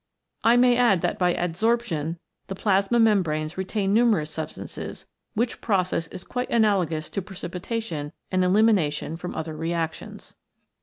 I may add that by ad sorption the plasma membranes retain numerous substances, which process is quite analogous to precipitation and elimination from other reactions.